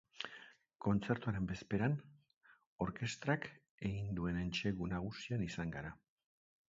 Kontzertuaren bezperan, orkestrak egin duen entsegu nagusian izan gara.